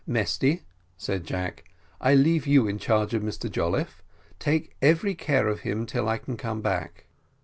"Mesty," said Jack, "I leave you in charge of Mr Jolliffe; take every care of him till I can come back."